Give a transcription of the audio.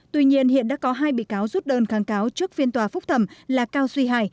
tuy nhiên hiện đã có hai bị cáo rút đơn kháng cáo trước phiên tòa phúc thẩm là cao suy hải